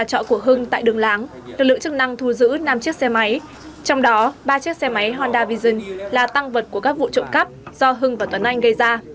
trong đó ba chiếc xe máy honda vision là tăng vật của các vụ trộm cắp do hưng và tuấn anh gây ra